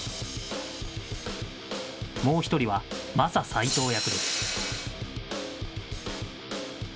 もう１人はマサ斎藤役です。